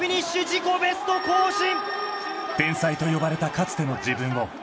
自己ベスト更新！